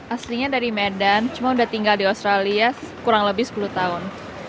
aslinya dari medan cuma udah tinggal di australia kurang lebih sepuluh tahun